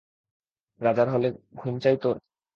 রাজার হালে ঘুম চাই তোর?